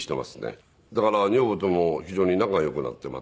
だから女房とも非常に仲良くなってまた。